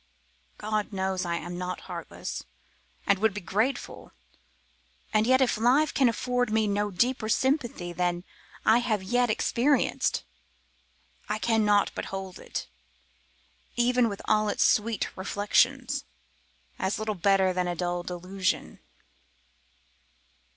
God knows I am not heartless, and would be grateful; and yet if life can afford me no deeper sympathy than I have yet experienced, I cannot but hold it, even with all its sweet reflections, as little better than a dull delusion.